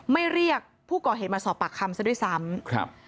เรียกผู้ก่อเหตุมาสอบปากคำซะด้วยซ้ำครับ